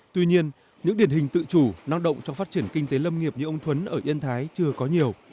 tuy nhiên những điển hình tự chủ năng động trong phát triển kinh tế lâm nghiệp như ông thuấn ở yên thái chưa có nhiều